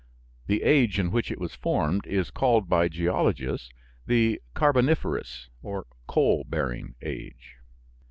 The age in which it was formed is called by geologists the Carboniferous (coal bearing) age.